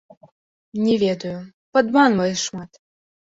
Не ведаю, падманвае шмат.